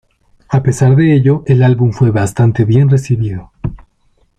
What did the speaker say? A pesar de ello, el álbum fue bastante bien recibido.